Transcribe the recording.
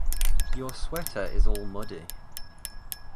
Your sweater is all muddy.